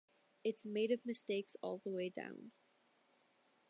It's made of mistakes all the way down!